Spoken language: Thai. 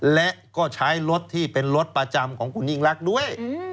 และก็ใช้รถที่เป็นรถประจำของคุณยิ่งรักด้วย